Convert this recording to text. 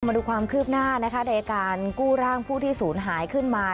มาดูความคืบหน้านะคะในการกู้ร่างผู้ที่ศูนย์หายขึ้นมา